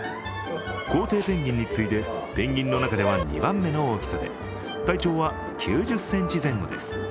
コウテイペンギンに次いでペンギンの中では２番目の大きさで体長は９０ｃｍ前後です。